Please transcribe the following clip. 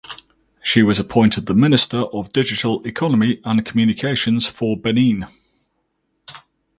She was appointed the Minister of Digital Economy and Communications for Benin.